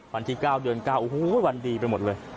วันที่๙เดือน๙วันนี้ไปหมดเลย